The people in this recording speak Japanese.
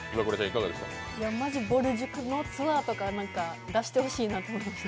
マジ、ぼる塾のツアーとか出してほしいなと思いました。